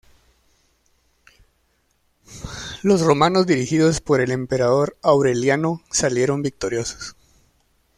Los romanos dirigidos por el emperador Aureliano salieron victoriosos.